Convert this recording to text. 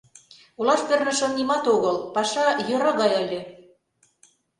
Олаш пернышын нимат огыл: паша йӧра гай ыле.